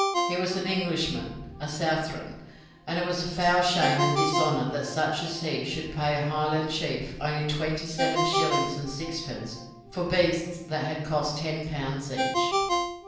He was an Englishman, a Southron, and it was a foul shame and dishonour that such as he should pay a Highland chief only twenty seven shillings and sixpence for beasts that had cost ten pounds each.